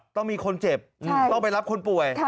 ต้องมีคนเจ็บต้องไปรับคนป่วย